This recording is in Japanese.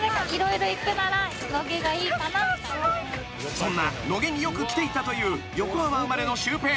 ［そんな野毛によく来ていたという横浜生まれのシュウペイ］